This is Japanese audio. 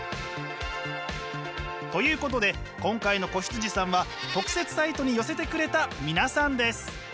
ということで今回の子羊さんは特設サイトに寄せてくれた皆さんです！